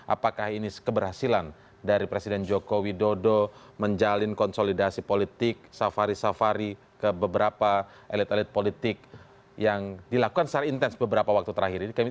apakah ini keberhasilan dari presiden joko widodo menjalin konsolidasi politik safari safari ke beberapa elit elit politik yang dilakukan secara intens beberapa waktu terakhir ini